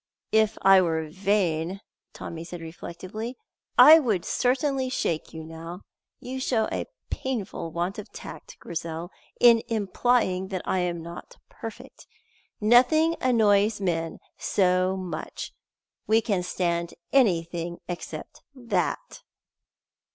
"If I were vain," Tommy said reflectively, "I would certainly shake you now. You show a painful want of tact, Grizel, in implying that I am not perfect. Nothing annoys men so much. We can stand anything except that."